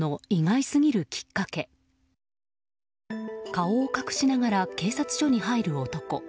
顔を隠しながら警察署に入る男。